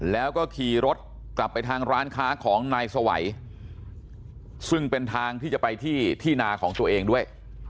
แล้วก็ขี่รถกลับไปทางร้านค้าของนายสวัยซึ่งเป็นทางที่จะไปที่ที่นาของตัวเองด้วย